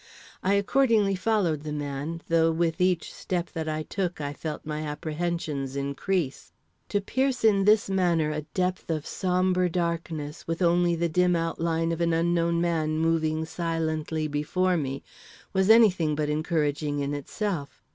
I accordingly followed the man, though with each step that I took I felt my apprehensions increase. To pierce in this manner a depth of sombre darkness, with only the dim outline of an unknown man moving silently before me, was any thing but encouraging in itself.